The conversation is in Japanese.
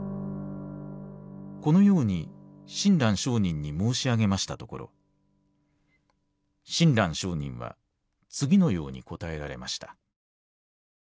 このように親鸞聖人に申しあげましたところ親鸞聖人は次のように答えられました。